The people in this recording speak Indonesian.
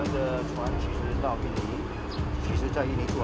kapal gunceng dua sudah sampai di indonesia